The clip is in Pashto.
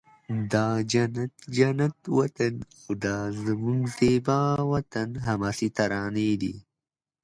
دا جنت جنت وطن او دا زموږ زیبا وطن حماسې ترانې دي